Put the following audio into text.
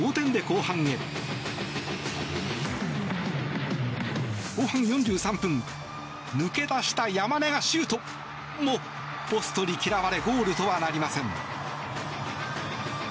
後半４３分抜け出した山根がシュート！も、ポストに嫌われゴールとはなりません。